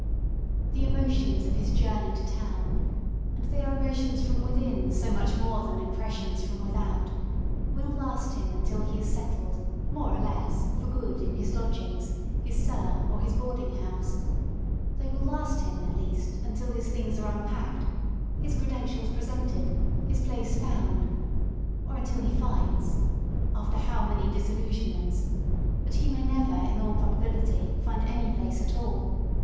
The emotions of his journey to town — and they are emotions from within so much more than impressions from without — will last him until he is settled, more or less, for good in his lodgings, his cellar or his boarding house They will last him, at least until his things are unpacked, his credentials presented, his place found — 6 FROM A DISTANCE or until he finds, after how many disillusionments, that he may never in all probability find any place at all.